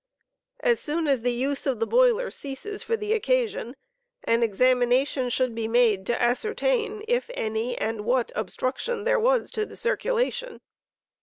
As soon as the use of the boiler ceases for the occasion, an examination should be made, to ascertain if any, and what, obstruction there was to the circulation.